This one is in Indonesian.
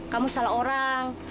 kamu salah orang